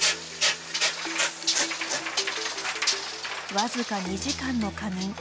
僅か２時間の仮眠。